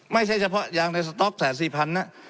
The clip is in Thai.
ไม่ใช่เฉพาะยางในสต๊อกแสนสี่พันนะ